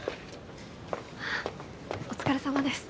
お疲れさまです。